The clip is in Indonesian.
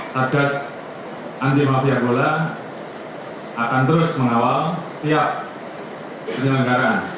sarjas anti matiabola akan terus mengawal setiap penyelenggaraan